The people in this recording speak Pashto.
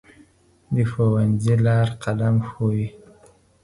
د ښوونځي لار قلم ښووي.